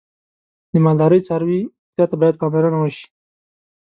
د مالدارۍ څاروی روغتیا ته باید پاملرنه وشي.